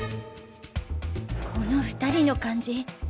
この２人の感じ